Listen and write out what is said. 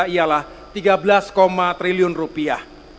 ialah tiga belas tiga miliar rupiah